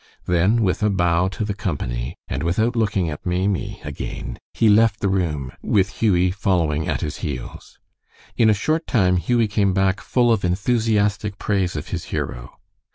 Then, with a bow to the company, and without looking at Maimie again, he left the room, with Hughie following at his heels. In a short time Hughie came back full of enthusiastic praise of his hero.